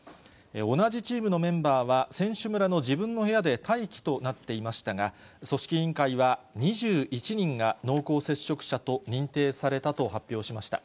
同じチームのメンバーは、選手村の自分の部屋で待機となっていましたが、組織委員会は２１人が濃厚接触者と認定されたと発表しました。